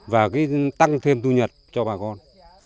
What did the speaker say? và tăng thêm thu nhập cho bà con